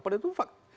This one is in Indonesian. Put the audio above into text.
padahal itu fak